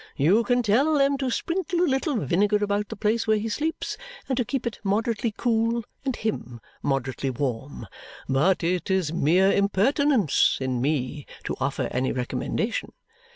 You can tell them to sprinkle a little vinegar about the place where he sleeps and to keep it moderately cool and him moderately warm. But it is mere impertinence in me to offer any recommendation.